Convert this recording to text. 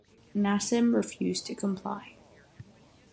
Nasim refused to comply.